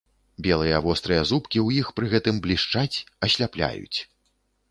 Белыя, вострыя зубкі ў іх пры гэтым блішчаць, асляпляюць.